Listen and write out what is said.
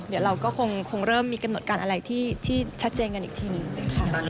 เดี๋ยวเราก็คงเริ่มมีกำหนดการอะไรที่ชัดเจนกันอีกทีหนึ่งนะคะ